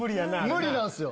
無理なんすよ。